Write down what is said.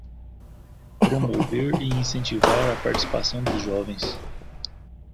Promover e incentivar a participação dos jovens.